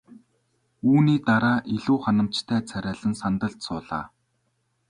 Үүний дараа илүү ханамжтай царайлан сандалд суулаа.